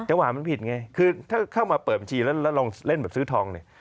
ว่ามันผิดไงคือถ้าเข้ามาเปิดบัญชีแล้วลองเล่นแบบซื้อทองเนี่ย